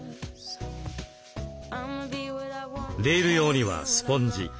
レール用にはスポンジ。